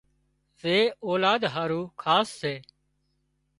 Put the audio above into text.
زي اولاد هارُو خاص سي